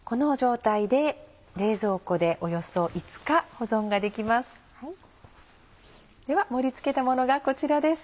では盛り付けたものがこちらです。